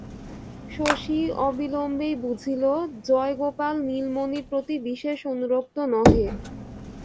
শশী অবিলম্বেই বুঝিল, জয়গোপাল নীলমণির প্রতি বিশেষ অনুরক্ত নহে।